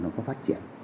nó có phát triển